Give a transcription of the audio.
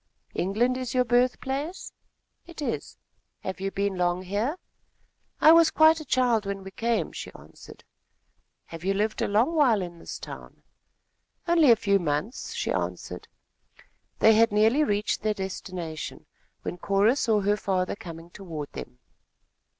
"England is your birth place?" "It is." "Have you been long here?" "I was quite a child when I came," she answered. "Have you lived a long while in this town?" "Only a few months," she answered. They had nearly reached their destination, when Cora saw her father coming toward them.